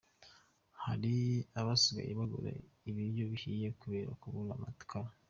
Hari abasigaye bagura ibiryo bihiye kubera kubura amakara….